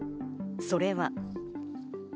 それは。